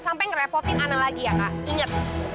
kepeng repotin ana lagi ya kak ingat